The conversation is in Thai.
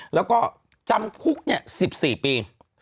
แล้วก็จำคุก๑๔ปี